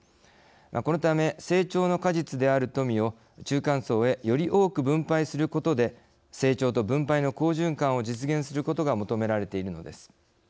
このため成長の果実である富を中間層へより多く分配することで成長と分配の好循環を実現することが求められているのです。